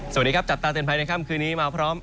สวัสดีครับจับตาเตือนภัยในค่ำคืนนี้มาพร้อม